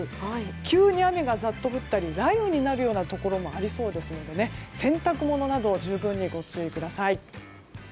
急に雨がざっと降ったり雷雨になったりするところもありますので洗濯物などは十分にご注意ください。